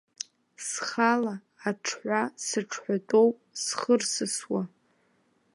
Схала аҽҳәа сыҽҳәатәоуп схырсысуа.